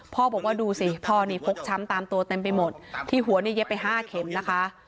พ่อบอกว่าดูสิพ่อนี่ฟกช้ำตามตัวเต็มไปหมดที่หัวเนี่ยเย็บไป๕เข็มนะคะ